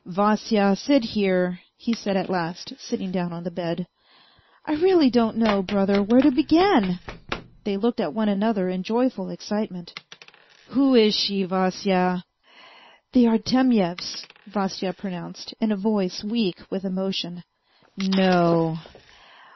" Vasya, sit here," he said at last, sitting down on the bed. " I really don't know, brother, where to begin !" They looked at one another in joyful excitement. " Who is she, Vasya ?"" The Artemyevs !..." Vasya pronounced, in a voice weak with emotion. " No